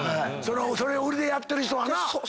それを売りでやってる人はな。